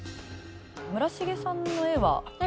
村重さんの絵は。えっ？